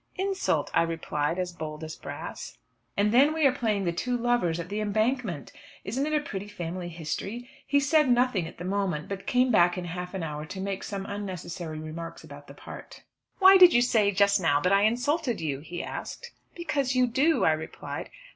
"Insult," I replied, as bold as brass. And then we are playing the two lovers at "The Embankment." Isn't it a pretty family history? He said nothing at the moment, but came back in half an hour to make some unnecessary remarks about the part. "Why did you say just now that I insulted you?" he asked. "Because you do," I replied.